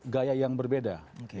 gaya yang berbeda